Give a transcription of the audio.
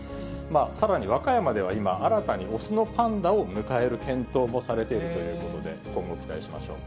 さらに和歌山では今、新たに雄のパンダを迎える検討もされているので、今後、期待しましょう。